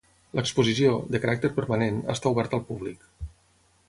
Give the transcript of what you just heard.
L'exposició, de caràcter permanent, està oberta al públic.